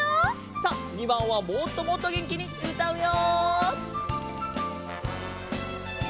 さあ２ばんはもっともっとげんきにうたうよ！